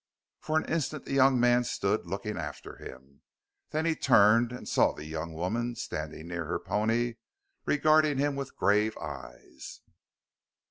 For an instant the young man stood, looking after him. Then he turned and saw the young woman, standing near her pony, regarding him with grave eyes.